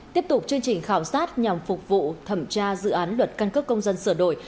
tiếp tục chương trình khảo sát nhằm phục vụ thẩm tra dự án luật căn cước công dân sửa đổi